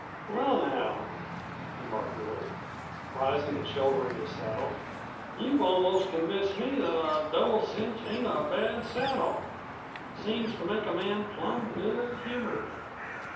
"Well, now," remarked Rope, rising and shouldering his saddle, "you've almost convinced me that a double cinch ain't a bad saddle. Seems to make a man plum good humored."